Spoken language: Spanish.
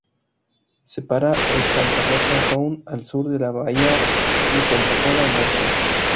Separa el Santa Rosa Sound, al sur, de la bahía de Pensacola, al norte.